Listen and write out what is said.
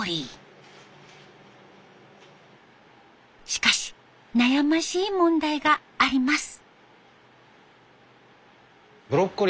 しかし悩ましい問題があります。